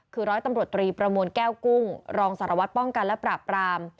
คือร้อยตำรวจตรีประมวลแก้วกุ้งรองสารวัตรป้องกันและปราบราม